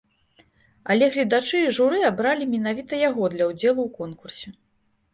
Але гледачы і журы абралі менавіта яго для ўдзелу ў конкурсе.